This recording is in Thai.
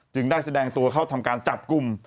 ได้แสดงตัวเข้าทำการจับกลุ่ม